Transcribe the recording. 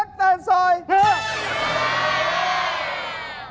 เหปาตะเกะเหปาตะเกะ